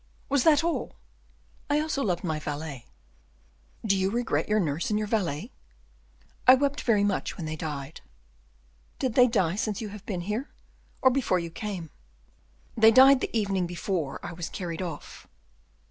"Was that all?" "I also loved my valet." "Do you regret your nurse and your valet?" "I wept very much when they died." "Did they die since you have been here, or before you came?" "They died the evening before I was carried off."